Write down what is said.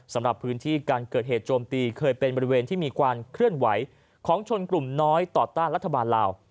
สำหรับพื้นที่การเกิดเหตุโจมตีเคยเป็นบริเวณที่มีความเคลื่อนไหวของชนกลุ่มน้อยต่อต้านรัฐบาลลาว